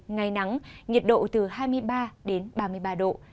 ngày nắng nhiệt độ từ hai mươi ba đến ba mươi ba độ